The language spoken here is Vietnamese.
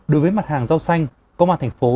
đối với mặt hàng rau xanh công an thành phố